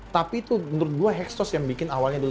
tapi itu menurut gue eksos yang bikin awalnya dulu